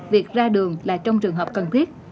việc ra đường là trong trường hợp cần thiết